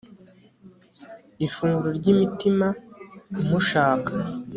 ifunguro ry'imitima imushaka